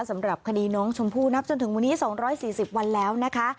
สำหรับคดีน้องชมพู่นับจนถึงวันนี้๒๔๐วันแล้วนะคะ